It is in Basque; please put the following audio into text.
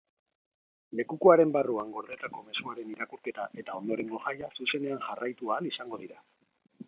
Lekukoaren barruan gordetako mezuaren irakurketa eta ondorengo jaia zuzenean jarraitu ahal izango dira.